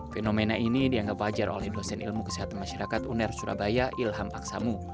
fenomena ini dianggap wajar oleh dosen ilmu kesehatan masyarakat uner surabaya ilham aksamu